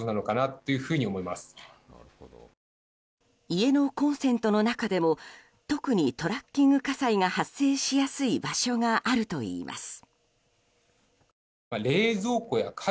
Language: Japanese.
家のコンセントの中でも特にトラッキング火災が発生しやすい場所があるといいます。